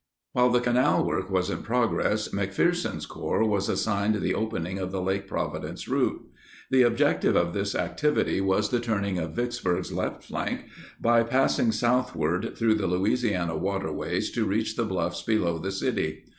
While the canal work was in progress, McPherson's Corps was assigned the opening of the Lake Providence route. The objective of this activity was the turning of Vicksburg's left flank by passing southward through the Louisiana waterways to reach the bluffs below the city.